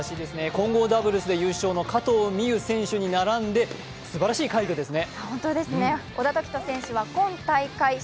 混合ダブルスで優勝の加藤未唯選手に並んでのすばらしい快挙ですね。